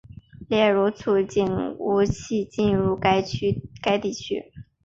例如促进武器进入该地区。